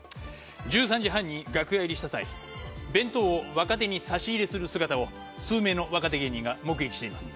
１３時半に楽屋入りした際弁当を若手に差し入れする姿を数名の若手芸人が目撃しています。